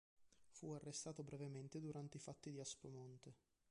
Fu arrestato brevemente durante i fatti di Aspromonte.